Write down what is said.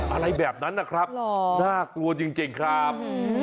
อะไรแบบนั้นนะครับน่ากลัวจริงครับ